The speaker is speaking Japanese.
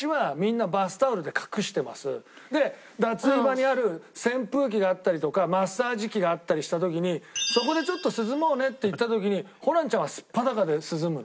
で脱衣場にある扇風機であったりとかマッサージ機があったりした時に「そこでちょっと涼もうね」って言った時にホランちゃんは素っ裸で涼むの？